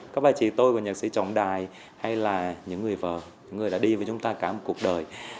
có phải chị tôi của nhạc sĩ trọng đài hay là những người vợ những người đã đi với chúng ta cả một cuộc đời